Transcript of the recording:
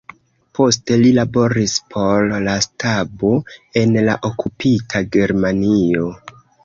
Poste li laboris por la stabo en la okupita Germanio.